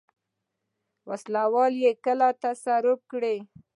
وسله وال یې کله تصرف کړي.